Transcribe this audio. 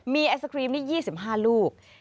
มีไอศครีมนี่๒๕ลูก